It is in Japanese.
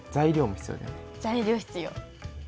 材料必要。